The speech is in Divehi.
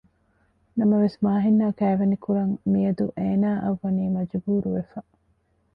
ނަމަވެސް މާހިން އާ ކައިވެނިކުރަން މިޔަދު އޭނާއަށް މި ވަނީ މަޖުބޫރުވެފަ